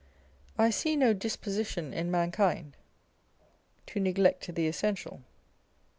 I see no disposition in mankind to neglect the essential.